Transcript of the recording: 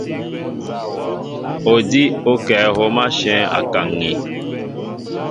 Odíw ó kɛ̌ hǒm ashɛ̌ŋ a kaŋ̀in.